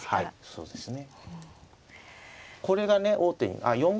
そうですね。